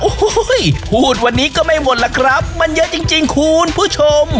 โอ้โหพูดวันนี้ก็ไม่หมดล่ะครับมันเยอะจริงคุณผู้ชม